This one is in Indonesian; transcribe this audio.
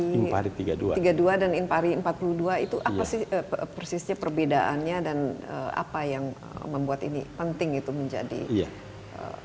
tiga puluh dua dan impari empat puluh dua itu apa sih persisnya perbedaannya dan apa yang membuat ini penting itu menjadi